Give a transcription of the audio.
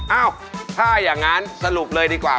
เอ้าถ้าอย่างนั้นสรุปเลยดีกว่า